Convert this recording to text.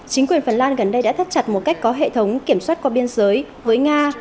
chính quyền phần lan gần đây đã thắt chặt một cách có hệ thống kiểm soát qua biên giới với nga